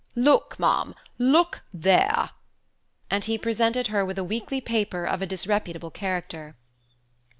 "Look, ma'am, look there!" and he presented her with a weekly paper of a disreputable character.